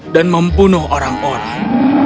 dan membunuh orang orang